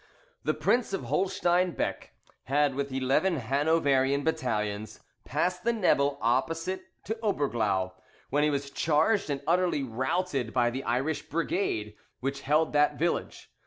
The Prince of Holstein Beck had, with eleven Hanoverian battalions, passed the Nebel opposite to Oberglau, when he was charged and utterly routed by the Irish brigade which held that village.